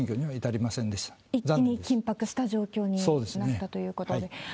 一気に緊迫した状況になったそうですね。